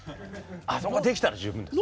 あそこできたら十分です。